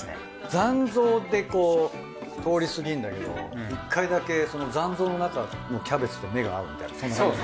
残像で通り過ぎんだけど１回だけ残像のなかのキャベツと目が合うみたいなそんな感じ。